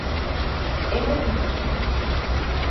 ¿hemos vivido?